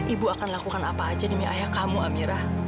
ibu akan lakukan apa aja demi ayah kamu amirah